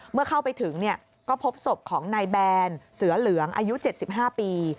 เมื่อเข้าไปถึงก็พบศพของนายแบนเสือเหลืองอายุ๗๕ปี